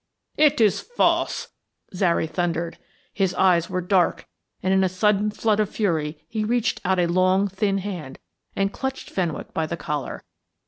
"It is false," Zary thundered. His eyes were dark, and in a sudden flood of fury he reached out a long thin hand and clutched Fenwick by the collar.